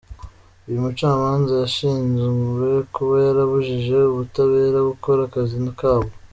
Uyu mucamanza yashinjwe kuba yarabujije ubutabera gukora akazi kabwo.